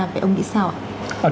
vậy ông nghĩ sao ạ